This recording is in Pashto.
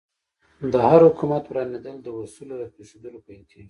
د هر حکومت ورانېدل د اصولو له پرېښودلو پیل کېږي.